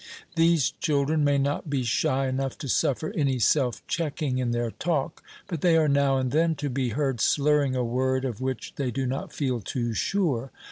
These children may not be shy enough to suffer any self checking in their talk, but they are now and then to be heard slurring a word of which they do not feel too sure.